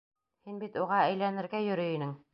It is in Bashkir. Һин бит уға әйләнергә йөрөй инең!